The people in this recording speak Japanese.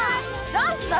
ダンスだ。